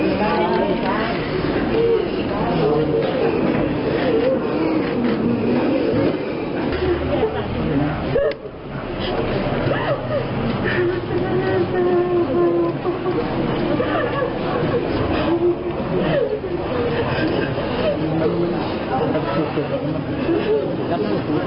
ครับครับ